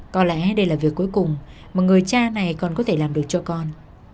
có lẽ đây là việc cuối cùng mà người cha này còn có thể làm được cho con